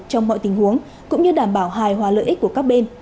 trong mọi tình huống cũng như đảm bảo hài hòa lợi ích của các bên